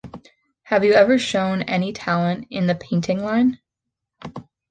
Have you ever shown any talent in the painting line?